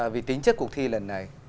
vì tính trước cuộc thi lần này